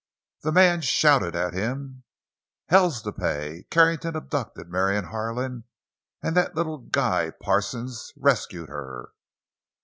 The man shouted at him: "Hell's to pay! Carrington abducted Marion Harlan, an' that little guy—Parsons—rescued her.